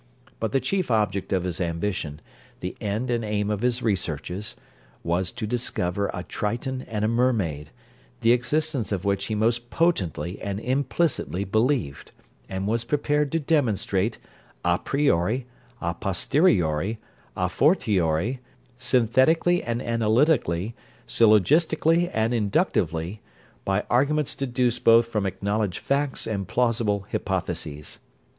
But the chief object of his ambition, the end and aim of his researches, was to discover a triton and a mermaid, the existence of which he most potently and implicitly believed, and was prepared to demonstrate, à priori, à posteriori, à fortiori, synthetically and analytically, syllogistically and inductively, by arguments deduced both from acknowledged facts and plausible hypotheses.